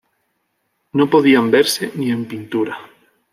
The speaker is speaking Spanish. No podían verse ni en pintura